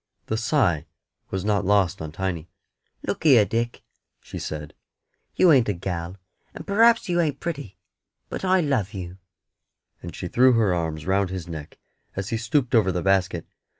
The sigh was not lost on Tiny. "Look here, Dick," she said, "you ain't a gal, and p'r'aps you ain't pretty, but I love you;" and she threw her arms round his neck as he stooped over the basket.